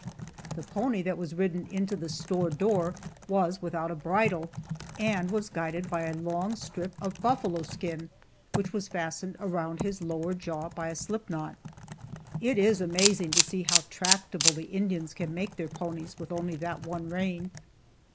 The pony that was ridden into the store door was without a bridle, and was guided by a long strip of buffalo skin which was fastened around his lower jaw by a slipknot. It is amazing to see how tractable the Indians can make their ponies with only that one rein.